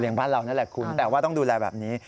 บ้านเรานั่นแหละคุณแต่ว่าต้องดูแลแบบนี้